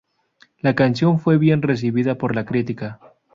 La canción fue bien recibida por la crítica.